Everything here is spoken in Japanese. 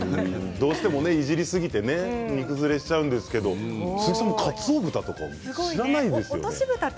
どうしてもいじりすぎて煮崩れしちゃいますけどそもそも、かつおぶたって知らないですよね。